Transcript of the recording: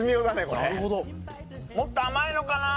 これもっと甘いのかな